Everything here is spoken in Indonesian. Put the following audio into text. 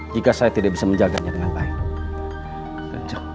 jika saya tidak bisa menjaganya dengan baik